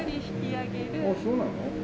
ああそうなの？